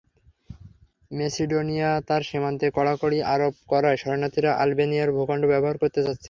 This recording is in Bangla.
মেসিডোনিয়া তার সীমান্তে কড়াকড়ি আরোপ করায় শরণার্থীরা আলবেনিয়ার ভূখণ্ড ব্যবহার করতে চাচ্ছে।